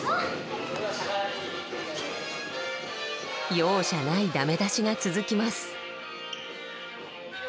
容赦ないダメ出しが続きます。